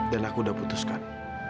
dan aku udah putuskan